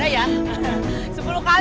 gak suka suka